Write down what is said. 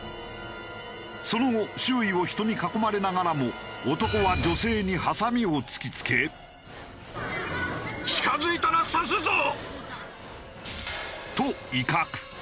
その後周囲を人に囲まれながらも男は女性にハサミを突き付け。と威嚇。